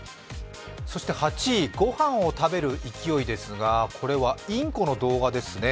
そして８位、ご飯を食べる勢いですが、これはインコの動画ですね。